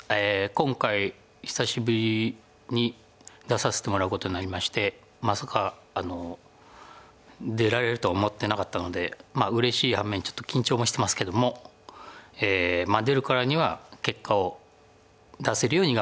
今回久しぶりに出させてもらうことになりましてまさか出られるとは思ってなかったのでうれしい反面ちょっと緊張もしてますけども出るからには結果を出せるように頑張りたいと思います。